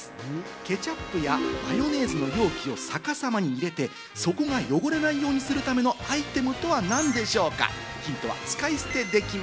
ケチャップやマヨネーズの容器を逆さまに入れて、底が汚れないようにするためのアイテムとは何でしょうか？